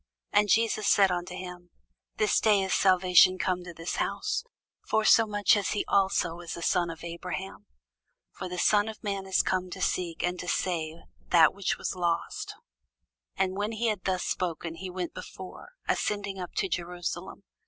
And Jesus said unto him, This day is salvation come to this house, forsomuch as he also is a son of Abraham. For the Son of man is come to seek and to save that which was lost. [Sidenote: St. Luke 19] And when he had thus spoken, he went before, ascending up to Jerusalem.